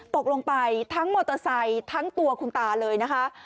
ตกลงไปทั้งมอเตอร์ไซค์ทั้งตัวคุณตาเลยนะคะ